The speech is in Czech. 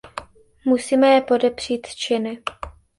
Musíme je podepřít činy.